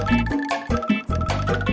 si tua manja marah